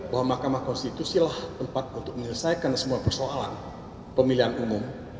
bahwa mahkamah konstitusi lah tempat untuk menyelesaikan semua persoalan pemilihan umum